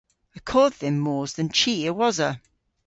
Y kodh dhymm mos dhe'n chi a-wosa.